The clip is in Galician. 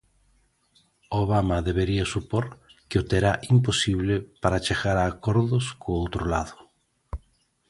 Obama debería supor que o terá imposible para chegar a acordos co outro lado.